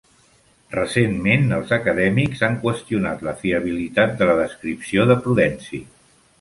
Recentment, els acadèmics han qüestionat la fiabilitat de la descripció de Prudenci.